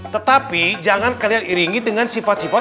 tetapi jangan kalian iringi dengan sifat sifat